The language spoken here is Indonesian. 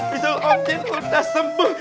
bisul om jin udah sembuh